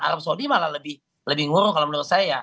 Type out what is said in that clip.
arab saudi malah lebih nguruh kalau menurut saya